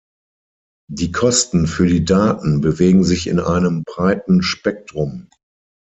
Die Kosten für die Daten bewegen sich in einem breiten Spektrum.